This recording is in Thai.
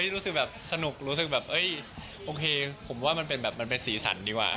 รู้สึกแบบสนุกรู้สึกแบบโอเคผมว่ามันเป็นสีสันดีกว่า